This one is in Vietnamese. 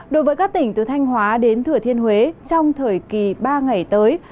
đối với các tỉnh từ thanh hóa đến thừa thiên huế trong thời kỳ ba ngày tới